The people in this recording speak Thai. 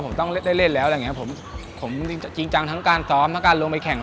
ผมต้องได้เล่นแล้วผมจริงจังทั้งการซ้อมทั้งการลงไปแข่ง